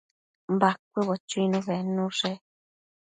Bacuëbo chuinu bednushe